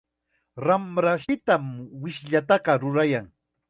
Ramrashpitam wishllataqa rurayan.